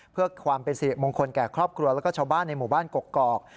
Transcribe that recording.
เพื่อความเป็นสิริมงคลแก่ครอบครัวแล้วก็ชาวบ้านในหมู่บ้านกกอก